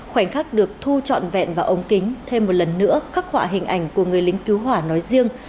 khoảnh khắc được thu trọn vẹn vào ống kính thêm một lần nữa khắc họa hình ảnh của người lính cứu hỏa nói riêng